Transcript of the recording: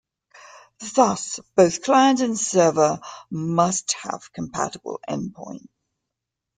Thus, both client and server must have compatible endpoints.